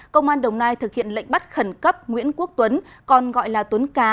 công an đồng nai thực hiện lệnh bắt khẩn cấp nguyễn quốc tuấn còn gọi là tuấn cá